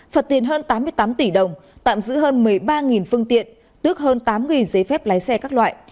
phật tiền hơn tám mươi tám tỷ đồng tạm giữ hơn một mươi ba phương tiện tước hơn tám giấy phép lái xe các loại